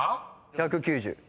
「１９０」